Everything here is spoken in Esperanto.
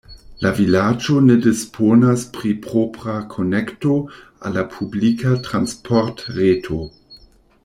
La vilaĝo ne disponas pri propra konekto al la publika transportreto.